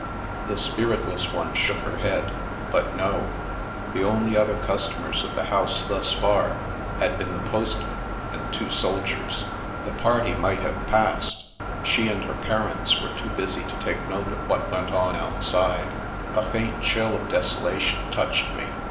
The spiritless one shook her head. But no. The only other customers of the house thus far had been the postman and two soldiers. The party might have passed. She and her parents were too busy to take note of what went on outside. A faint chill of desolation touched me.